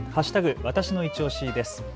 わたしのいちオシです。